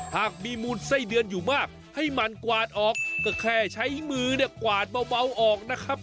หากมีมูลไส้เดือนอยู่มากให้มันกวาดออกก็แค่ใช้มือเนี่ยกวาดเบาออกนะครับ